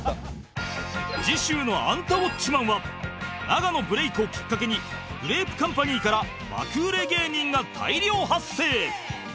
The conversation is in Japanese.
次週の『アンタウォッチマン！』は永野ブレイクをきっかけにグレープカンパニーから爆売れ芸人が大量発生